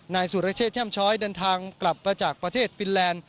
นายสุรเชษแช่มช้อยเดินทางกลับมาจากประเทศฟินแลนด์